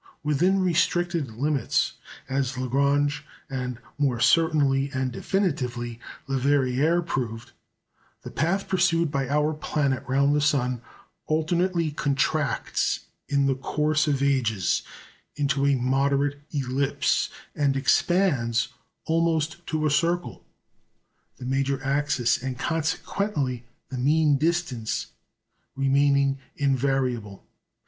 Within restricted limits (as Lagrange and, more certainly and definitely, Leverrier proved), the path pursued by our planet round the sun alternately contracts, in the course of ages, into a moderate ellipse, and expands almost to a circle, the major axis, and consequently the mean distance, remaining invariable.